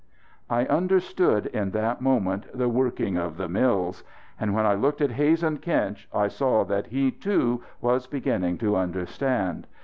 I understood in that moment the working of the mills. And when I looked at Hazen Kinch I saw that he, too, was beginning to understand.